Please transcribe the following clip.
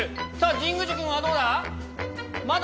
神宮寺君はどうだ？